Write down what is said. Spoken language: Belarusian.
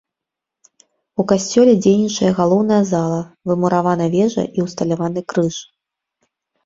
У касцёле дзейнічае галоўная зала, вымуравана вежа і ўсталяваны крыж.